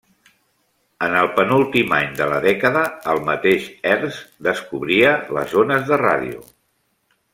En el penúltim any de la dècada, el mateix Hertz descobria les ones de ràdio.